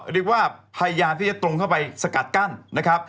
เรียกว่าพยายามที่จะตรงเข้าไปสกัดกั้นนะครับ